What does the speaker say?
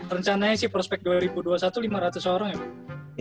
rencananya sih prospek dua ribu dua puluh satu lima ratus orang ya